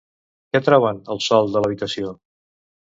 Què troben al sòl de l'habitació?